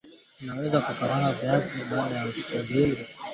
una weza ukamenya viazi lishe baada ya kuiva